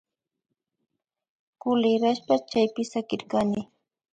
Kulirashpa chaypi sakirkani